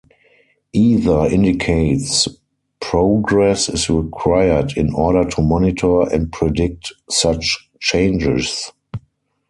Either indicates progress is required in order to monitor and predict such changes.